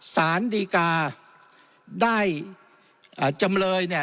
สารดีกาได้จำเลยเนี่ย